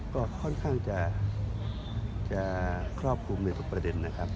ก็ค่อนข้างจะครอบคลุมในทุกประเด็นนะครับ